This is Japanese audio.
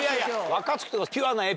若槻とか。